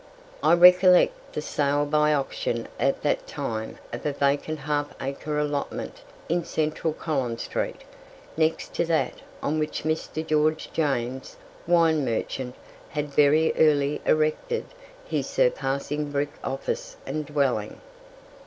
I recollect the sale by auction at that time of a vacant half acre allotment in central Collins street, next to that on which Mr. George James, wine merchant, had very early erected his surpassing brick office and dwelling.